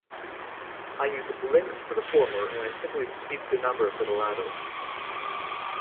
I use "links" for the former and I simply speak the number for the latter.